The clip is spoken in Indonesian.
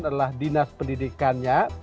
adalah dinas pendidikannya